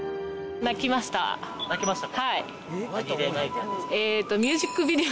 泣きましたか？